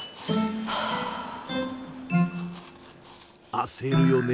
焦るよね。